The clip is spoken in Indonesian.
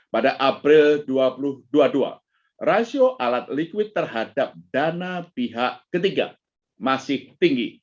pada april dua ribu dua puluh dua rasio alat likuid terhadap dana pihak ketiga masih tinggi